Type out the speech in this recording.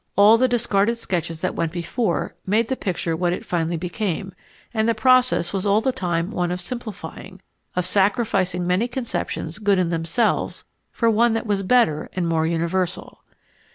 All the discarded sketches that went before made the picture what it finally became, and the process was all the time one of simplifying, of sacrificing many conceptions good in themselves for one that was better and more universal.